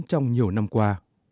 trong nhiều năm qua